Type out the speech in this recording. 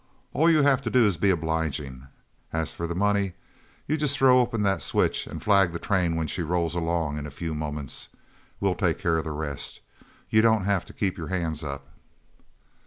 All you have to do is to be obliging. As for the money, you just throw open that switch and flag the train when she rolls along in a few moments. We'll take care of the rest. You don't have to keep your hands up."